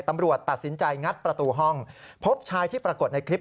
ตำรวจตัดสินใจงัดประตูห้องพบชายที่ปรากฏในคลิป